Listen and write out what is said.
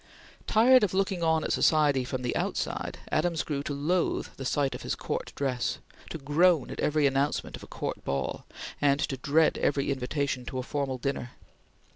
Tired of looking on at society from the outside, Adams grew to loathe the sight of his Court dress; to groan at every announcement of a Court ball; and to dread every invitation to a formal dinner.